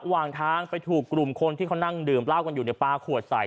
ทางไปถูกกลุ่มคนที่เขานั่งดื่มเหล้ากันอยู่ในปลาขวดใส่